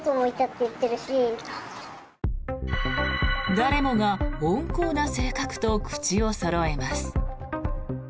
誰もが温厚な性格と口をそろえます。